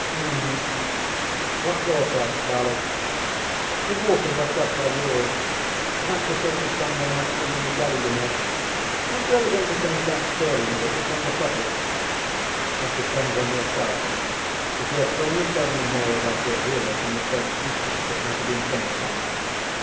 _ŌĆØ ŌĆ£HŌĆÖm. WhatŌĆÖs oar thresh, Charlie? ŌĆØ ŌĆ£The water washed up by the oars. ThatŌĆÖs the sort of song they might sing in the galley, yŌĆÖknow. ArenŌĆÖt you ever going to finish that story and give me some of the profits? ŌĆØ ŌĆ£It depends on yourself. If you had only told me more about your hero in the first instance it might have been finished by now.